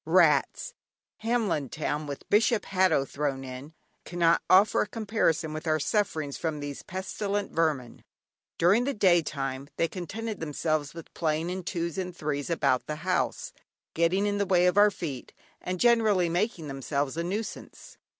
Rats! Hamlin Town (with Bishop Hatto thrown in) cannot offer a comparison with our sufferings from these pestilent vermin. During the day time they contented themselves with playing in twos and threes about the house, getting in the way of our feet, and generally making themselves a nuisance.